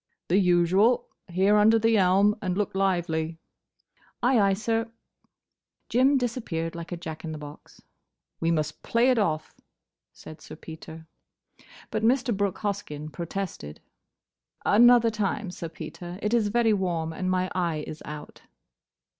"The usual. Here, under the elm. And look lively." "Ay, ay, sir!" Jim disappeared like a Jack in the box. "We must play it off," said Sir Peter. But Mr. Brooke Hoskyn protested. "Another time, Sir Peter. It is very warm, and my eye is out."